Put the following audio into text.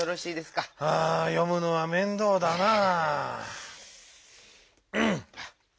あよむのは面倒だなぁ。